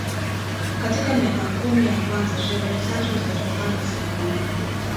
Katika miaka kumi ya kwanza sherehe tatu za tohara zilifanyika